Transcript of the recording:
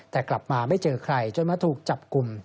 แต่กลับมาไม่เจอใครจนมาถูกจับกลุ่ม